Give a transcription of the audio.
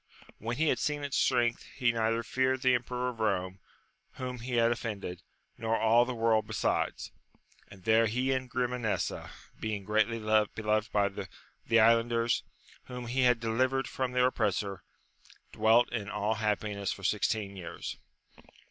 When he had seen its strength, he neither feared the emperor of Rome, whom he had offended, nor all the world besides; and there he and Grimanesa, being greatly beloved by the islanders, whom he had deli vered from their oppressor, dwelt in all happiness for sixteen years.